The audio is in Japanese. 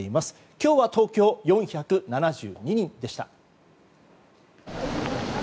今日は東京４７２人でした。